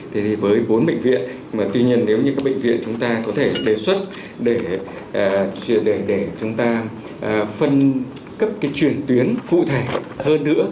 thế thì với bốn bệnh viện mà tuy nhiên nếu như các bệnh viện chúng ta có thể đề xuất để chúng ta phân cấp cái chuyển tuyến cụ thể hơn nữa